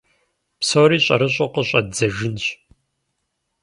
Псори щӀэрыщӀэу къыщӀэддзэжынщ…